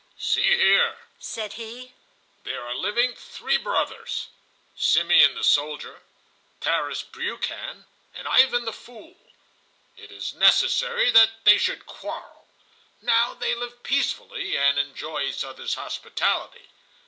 "See here," said he, "there are living three brothers—Simeon the soldier, Tarras Briukhan, and Ivan the Fool. It is necessary that they should quarrel. Now they live peacefully, and enjoy each other's hospitality.